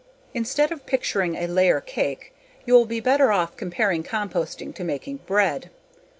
Instead of picturing a layer cake, you will be better off comparing composting to making bread.